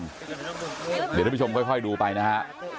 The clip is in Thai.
เดี๋ยวท่านผู้ชมค่อยดูไปนะฮะ